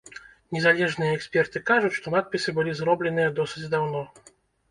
Незалежныя эксперты кажуць, што надпісы былі зробленыя досыць даўно.